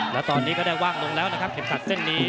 แล้วตอนนี้ก็ได้ว่างลงแล้วนะครับเข็มศักดิเส้นนี้